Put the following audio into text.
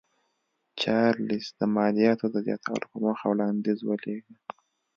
چارلېز د مالیاتو د زیاتولو په موخه وړاندیز ولېږه.